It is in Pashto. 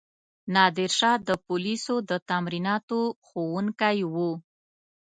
نادرشاه د پولیسو د تمریناتو ښوونکی وو.